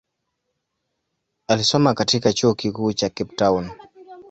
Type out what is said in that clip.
Alisoma katika chuo kikuu cha Cape Town.